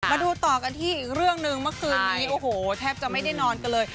มาดูต่อกันที่อีกเรื่องหนึ่งเมื่อคืนนี้โอ้โหแทบจะไม่ได้นอนกันเลย